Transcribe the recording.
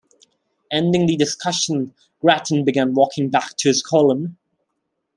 Ending the discussion, Grattan began walking back to his column.